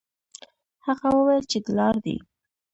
هغه وویل چې دلار دي.